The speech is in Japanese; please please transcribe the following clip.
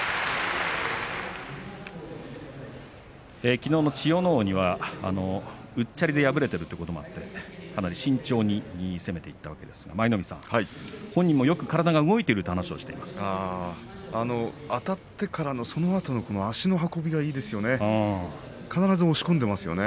きのうの千代ノ皇にはうっちゃりで敗れているということもあって、かなり慎重に攻めていったわけですが本人もよく体が動いているというあたってからのそのあとの足の運びがいいですよね。